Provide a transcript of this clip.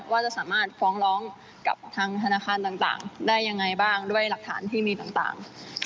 ว่าจะสามารถฟ้องร้องกับทางธนาคารต่างได้ยังไงบ้างด้วยหลักฐานที่มีต่าง